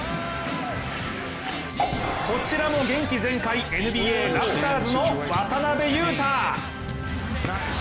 こちらも元気全開、ＮＢＡラプターズの渡邊雄太。